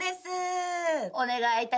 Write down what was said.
お願いいたします。